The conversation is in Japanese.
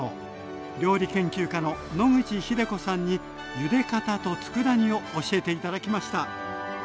料理研究家の野口日出子さんにゆで方とつくだ煮を教えて頂きました。